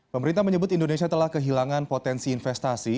pemerintah menyebut indonesia telah kehilangan potensi investasi